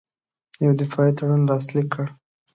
یو دفاعي تړون لاسلیک کړ.